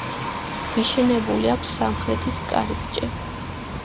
მიშენებული აქვს სამხრეთის კარიბჭე.